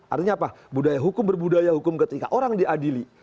artinya apa budaya hukum berbudaya hukum ketika orang diadili